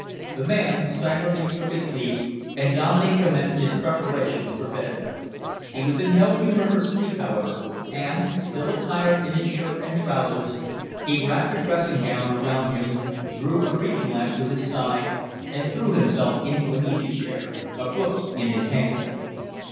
The man silently took his leave, and Dominey commenced his preparations for bed. He was in no humour for sleep, however, and, still attired in his shirt and trousers, he wrapped a dressing gown around him, drew a reading lamp to his side, and threw himself into an easy chair, a book in his hand.